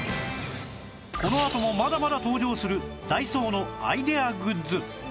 このあともまだまだ登場するダイソーのアイデアグッズ